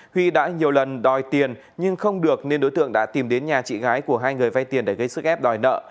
huy đã nhiều lần đòi tiền nhưng không được nên đối tượng đã tìm đến nhà chị gái của hai người vay tiền để gây sức ép đòi nợ